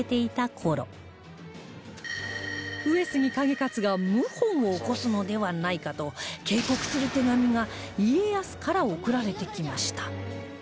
上杉景勝が謀反を起こすのではないかと警告する手紙が家康から送られてきました